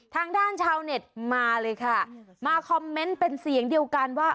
ทางด้านชาวเน็ตมาเลยค่ะมาคอมเมนต์เป็นเสียงเดียวกันว่า